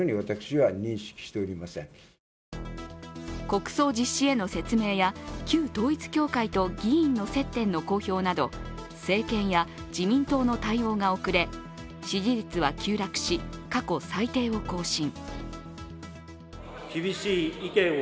国葬実施への説明や旧統一教会と議員の接点の公表など政権や自民党の対応が遅れ、支持率は急落し、過去最低を更新。